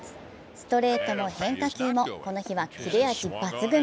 ストレートも変化球も、この日は切れ味抜群。